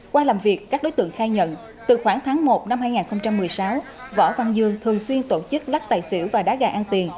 qua làm việc các đối tượng khai nhận từ khoảng tháng một năm hai nghìn một mươi sáu võ văn dương thường xuyên tổ chức lắc tài xỉu và đá gà ăn tiền